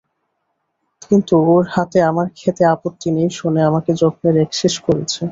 কিন্তু ওর হাতে আমার খেতে আপত্তি নেই শুনে আমাকে যত্নের একশেষ করেছে।